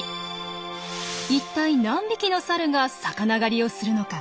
一体何匹のサルが魚狩りをするのか？